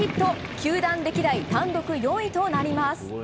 球団歴代単独４位となります。